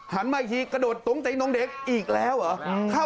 มาอีกทีกระโดดตุ้งติ๊งน้องเด็กอีกแล้วเหรอ